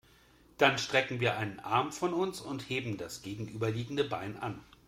Dann strecken wir einen Arm von uns und heben das gegenüberliegende Bein an.